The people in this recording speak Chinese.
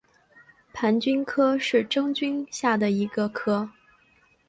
盘菌科是真菌下的一个科。